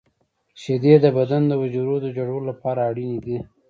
• شیدې د بدن د حجرو د جوړولو لپاره اړینې دي.